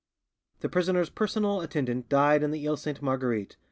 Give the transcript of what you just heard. "The prisoner's personal attendant died in the Iles Sainte Marguerite.